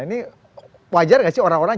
ini wajar gak sih orang orang